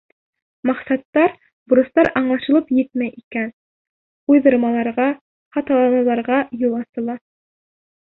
Маҡсаттар, бурыстар аңлашылып етмәй икән, уйҙырмаларға, хаталаныуҙарға юл асыла.